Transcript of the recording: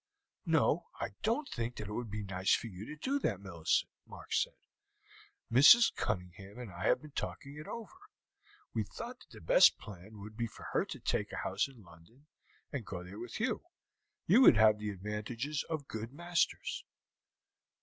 "No, I don't think that it would be nice for you to do that, Millicent," Mark said. "Mrs. Cunningham and I have been talking it over. We thought that the best plan would be for her to take a house in London, and go there with you; you would have the advantages of good masters.